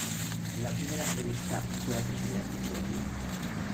La primera entrevista fue al presidente Echeverría.